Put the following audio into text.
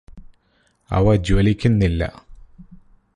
അവ ജ്വലിക്കുന്നില്ല